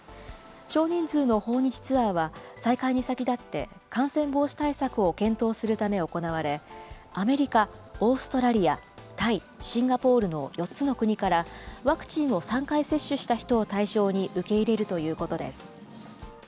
少人数の訪日ツアーは、再開に先立って、感染防止対策を検討するため行われ、アメリカ、オーストラリア、タイ、シンガポールの４つの国から、ワクチンを３回接種した人を対象に受け入れるということです。